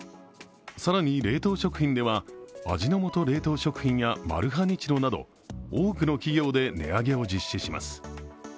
更に冷凍食品では味の素冷凍食品やマルハニチロなど、多くの企業で値上げを実施します。